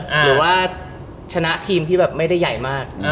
หรือว่าชนะทีมที่แบบไม่ได้ใหญ่มาก